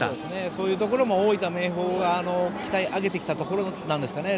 そういうところも大分・明豊が鍛え上げてきたところですかね。